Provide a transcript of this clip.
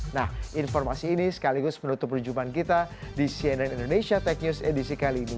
nah informasi ini sekaligus menutup perjumpaan kita di cnn indonesia tech news edisi kali ini